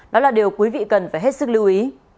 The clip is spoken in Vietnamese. đó là điều quý vị cần phải hết sức lưu ý